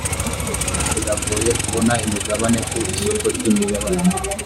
biragoye kubona imigabane ku isoko ry’imigabane